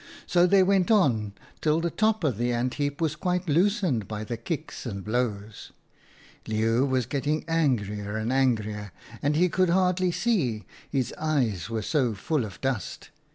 " So they went on till the top of the ant heap was quite loosened by the kicks and blows. Leeuw was getting angrier and angrier, and he could hardly see — his eyes were so full of dust.